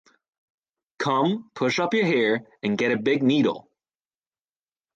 Come, push up your hair and get a big needle.